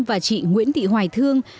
và chị nguyễn thị hoài thương